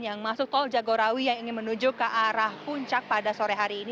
yang masuk tol jagorawi yang ingin menuju ke arah puncak pada sore hari ini